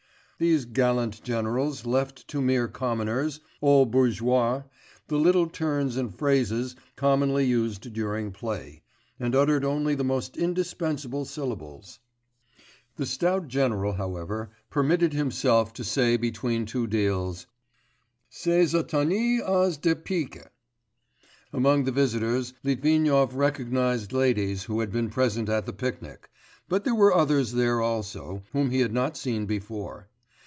These gallant generals left to mere commoners, aux bourgeois, the little turns and phrases commonly used during play, and uttered only the most indispensable syllables; the stout general however permitted himself to jerk off between two deals: 'Ce satané as de pique!' Among the visitors Litvinov recognised ladies who had been present at the picnic; but there were others there also whom he had not seen before.